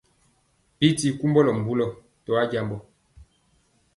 Bi ti kumbulɔ mbulɔ to ajambɔ.